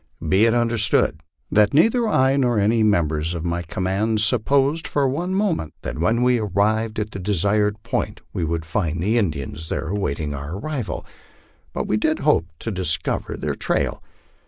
Be it understood that neither I nor any members of my command supposed for one moment that when we arrived at the desired point we would find the Indians there awaiting our arrival, but we did hope to discover their trail.